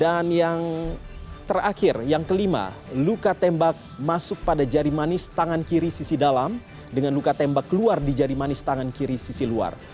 dan yang terakhir yang kelima luka tembak masuk pada jari manis tangan kiri sisi dalam dengan luka tembak keluar di jari manis tangan kiri sisi luar